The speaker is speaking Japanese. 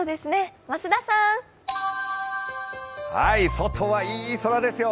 外はいい空ですよ。